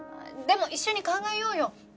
でも一緒に考えようよ。